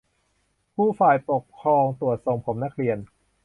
ครูฝ่ายปกครองตรวจทรงผมนักเรียน